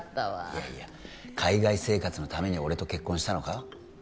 いやいや海外生活のために俺と結婚したのか？